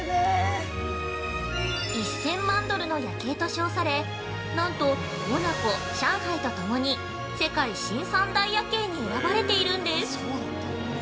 ◆１０００万ドルの夜景と称されなんとモナコ、上海とともに世界新三大夜景に選ばれているんです。